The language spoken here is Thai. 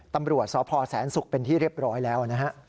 ตำรวจสศแสนสุกเป็นที่เรียบร้อยแล้ว